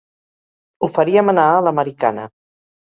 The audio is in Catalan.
Ho faríem anar a l'americana.